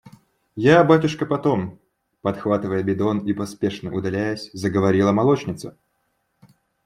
– Я, батюшка, потом. – подхватывая бидон и поспешно удаляясь, заговорила молочница.